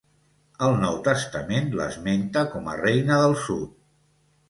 El Nou Testament l'esmenta com a reina del Sud.